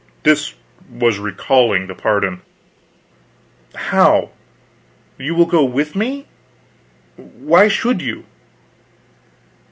This was recalling the pardon. "How? You will go with me? Why should you?"